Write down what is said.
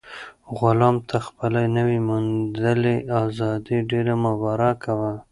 غلام ته خپله نوي موندلې ازادي ډېره مبارک وه.